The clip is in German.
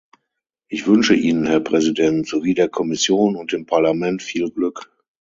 Ich wünsche Ihnen, Herr Präsident, sowie der Kommission und dem Parlament viel Glück!